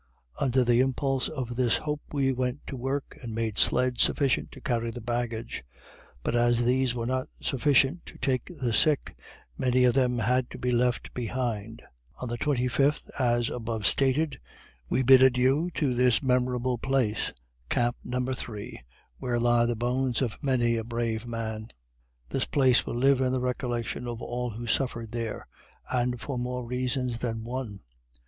Under the impulse of this hope we went to work and made sleds sufficient to carry the baggage. But as these were not sufficient to take the sick, many of them had to be left behind. On the 25th, as above stated, we bid adieu to this memorable place, camp No. 3, where lie the bones of many a brave man. This place will live in the recollection of all who suffered there, and for more reasons than one.